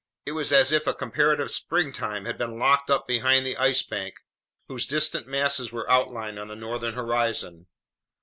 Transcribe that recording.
It was as if a comparative springtime had been locked up behind that Ice Bank, whose distant masses were outlined on the northern horizon.